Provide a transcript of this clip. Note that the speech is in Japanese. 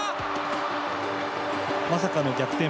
まさかの逆転